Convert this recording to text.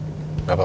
udah sana turun